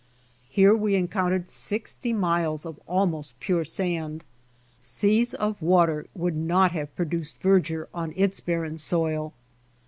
Here we encountered sixty miles of almost pure sand. Seas of water would not have produced verdure on its barren soil.